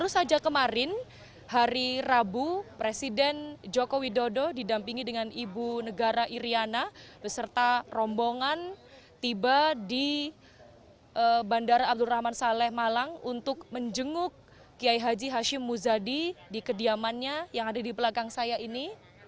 baru saja kemarin hari rabu presiden joko widodo didampingi dengan ibu negara iryana beserta rombongan tiba di bandara abdurrahman saleh malang untuk menjenguk kiai haji hashim muzadi di kediamannya yang ada di belakang saya ini